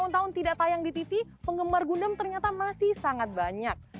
tapi penggemar gundam ternyata masih sangat banyak